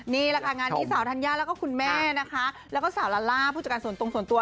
นี่แหละค่ะงานนี้สาวธัญญาแล้วก็คุณแม่นะคะแล้วก็สาวลาล่าผู้จัดการส่วนตรงส่วนตัว